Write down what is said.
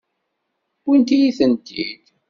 Wwint-iyi-tent-id.